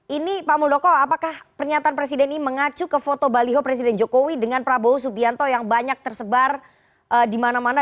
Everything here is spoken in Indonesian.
ini pak muldoko apakah pernyataan presiden ini mengacu ke foto baliho presiden jokowi dengan prabowo subianto yang banyak tersebar di mana mana